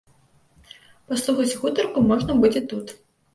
Паслухаць гутарку можна будзе тут.